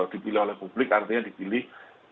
dipilih oleh publik artinya dipilih